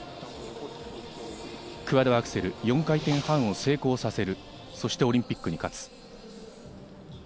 クワッドアクセル４回転半を成功させる、そしてオリンピックに勝つ。